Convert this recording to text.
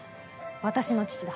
私の父だ。